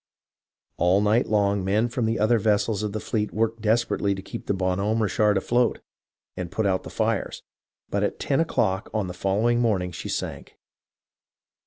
All night long men from the other vessels of the fleet worked desperately to keep the Bon Homme RicJiard afloat and put out the fires, but at ten o'clock on the following morning she sank.